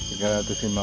iya ini batu kembar